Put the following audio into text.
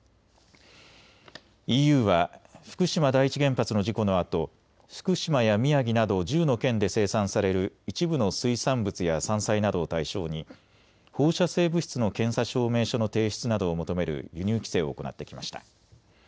ＥＵは福島第一原発の事故のあと、福島や宮城など１０の県で生産される一部の水産物や山菜などを対象に放射性物質の検査証明書の提出などを求める輸入規制を行ってきました。